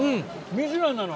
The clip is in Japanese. ミシュランなの？